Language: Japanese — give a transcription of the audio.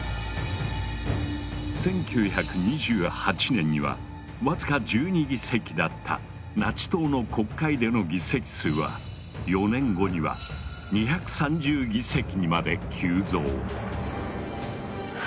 １９２８年には僅か１２議席だったナチ党の国会での議席数は４年後には２３０議席にまで急増。